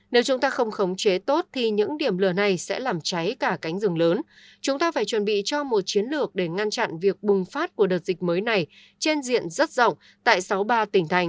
nếu chúng ta không khống chế tốt thì những điểm lửa này sẽ làm cháy cả cánh rừng lớn chúng ta phải chuẩn bị cho một chiến lược để ngăn chặn việc bùng phát của đợt dịch mới này trên diện rất rộng tại sáu mươi ba tỉnh thành